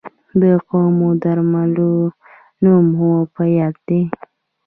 د کومو درملو نوم مو په یاد دی؟